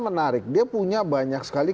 menarik dia punya banyak sekali